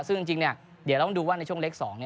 ซึ่งจริงเดี๋ยวเราต้องดูว่าในช่วงเล็ก๒